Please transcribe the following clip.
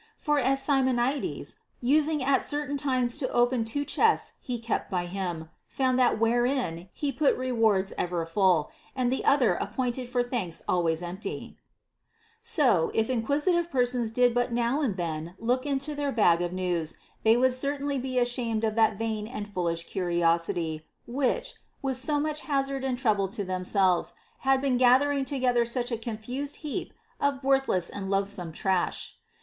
For as Simonides, using at certain times to open two chests he kept by him, found that wherein he put rewards ever full, and the other appointed for thanks always empty ; so, if inquisitive peo ple did but now and then look into their bag of news, they would certainly be ashamed of that vain and foolish INTO THINGS IMPERTINENT. 437 curiosity which, with so much hazard and trouble to them selves, had been gathering together such a confused heap of worthless and loathsome trash.